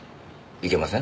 いけません？